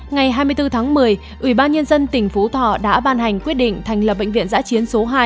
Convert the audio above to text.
ngày hai mươi bốn tháng một mươi ủy ban nhân dân tỉnh phú thọ đã ban hành quyết định thành lập bệnh viện giã chiến số hai